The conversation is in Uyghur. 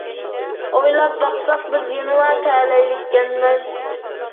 ئويلاپ باقساق بىز يەنىلا تەلەيلىككەنمىز.